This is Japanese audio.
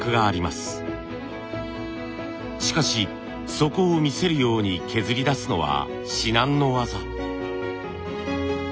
しかしそこを見せるように削り出すのは至難の業。